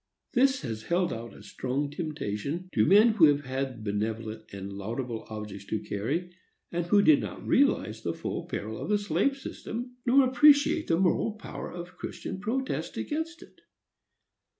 This has held out a strong temptation to men who have had benevolent and laudable objects to carry, and who did not realize the full peril of the slave system, nor appreciate the moral power of Christian protest against it.